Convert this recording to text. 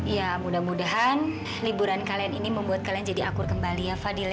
ya mudah mudahan liburan kalian ini membuat kalian jadi akur kembali ya fadil